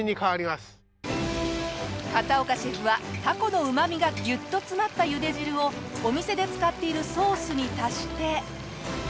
片岡シェフはタコのうま味がギュッと詰まった茹で汁をお店で使っているソースに足して。